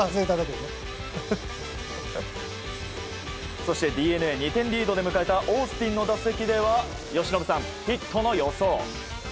そして、ＤｅＮＡ２点リードで迎えたオースティンの打席では由伸さん、ヒットの予想。